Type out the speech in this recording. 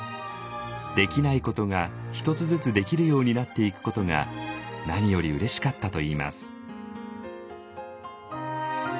できないことが一つずつできるようになっていくことが何よりうれしかったといいます。